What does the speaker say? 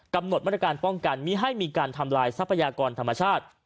กำหนดมาตรการป้องกันมีให้มีการทำลายทรัพยากรธรรมชาติ